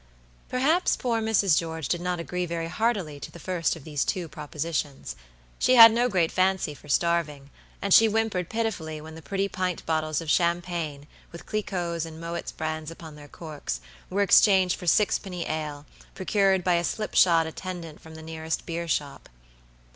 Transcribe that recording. Perhaps poor Mrs. George did not agree very heartily to the first of these two propositions. She had no great fancy for starving, and she whimpered pitifully when the pretty pint bottles of champagne, with Cliquot's and Moet's brands upon their corks, were exchanged for sixpenny ale, procured by a slipshod attendant from the nearest beer shop.